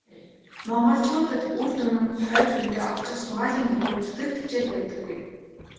Монголчуудад үр дүн нь хойч үедээ очих сургаалын дагуу зүтгэх тэвчээр байдаггүй.